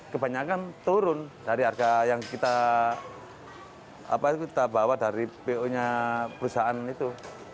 kebanyakan turun dari harga yang kita bawa dari po nya perusahaan itu